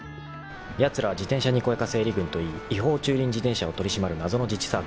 ［やつらは「自転車にこやか整理軍」といい違法駐輪自転車を取り締まる謎の自治サークルだ］